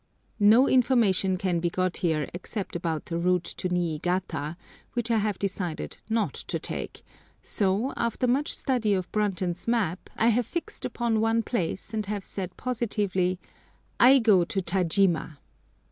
No information can be got here except about the route to Niigata, which I have decided not to take, so, after much study of Brunton's map, I have fixed upon one place, and have said positively, "I go to Tajima."